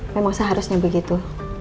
memang seharusnya begitu